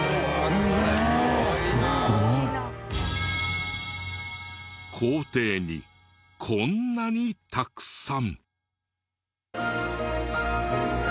「すごい」校庭にこんなにたくさん。